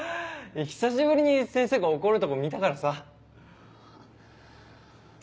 久しぶりに先生が怒るとこ見たからさ。